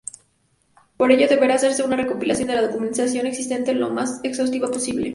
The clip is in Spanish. Para ello, deberá hacerse una recopilación de la documentación existente lo más exhaustiva posible.